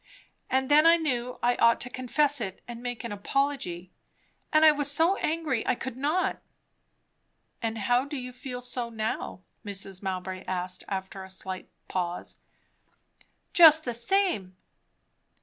And then I knew I ought to confess it and make an apology; and I was so angry I could not." "And do you feel so now?" Mrs. Mowbray asked after a slight pause. "Just the same."